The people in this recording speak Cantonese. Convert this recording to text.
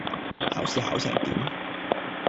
考試考成點?